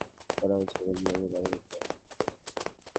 এসব সিগারেট শুল্ক গুদামে জমা করা হয়েছে এবং বিভাগীয় মামলা করা হয়েছে।